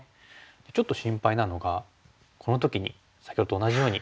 ちょっと心配なのがこの時に先ほどと同じように。